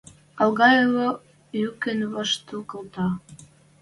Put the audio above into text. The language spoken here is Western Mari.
Алгаева юкын ваштыл колта.